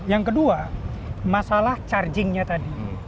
yang kedua masalah charging nya tadi